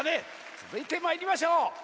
つづいてまいりましょう。